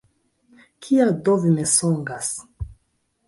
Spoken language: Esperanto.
Kial do vi mensogas?